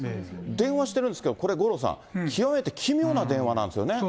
電話してるんですけど、これ、五郎さん、極めて奇妙な電話なんですよね。